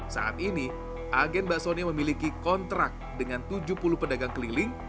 saat ini agen basoni memiliki kontrak dengan tujuh puluh pedagang keliling